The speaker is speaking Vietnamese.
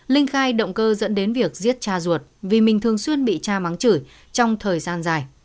linh khai động cơ dẫn đến việc giết cha ruột vì mình thường xuyên bị cha mắng chửi trong thời gian dài